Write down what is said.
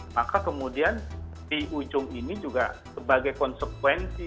maka kemudian di ujung ini juga sebagai konsekuensi